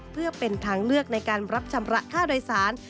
เพื่อเป็นทางเลือกในการรับชำระค่าโดยสาร